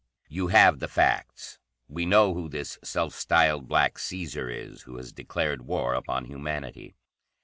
"You have the facts. We know who this self styled Black Caesar is, who has declared war upon humanity.